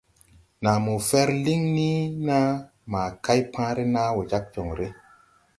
Naa mo fɛr liŋ ni naa ma kay paare naa wo jāg joŋre.